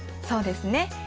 そうですね。